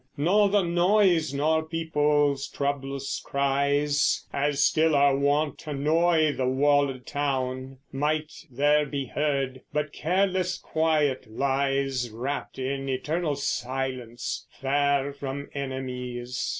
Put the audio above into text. No other noyse, nor peoples troublous cryes, As still are wont t'annoy the walled towne, Might there be heard: but carelesse Quiet lyes, Wrapt in eternal silence farre from enimyes.